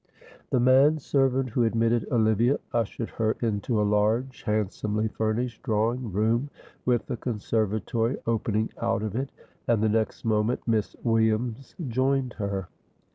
The man servant who admitted Olivia ushered her into a large, handsomely furnished drawing room with a conservatory opening out of it, and the next moment Miss Williams joined her.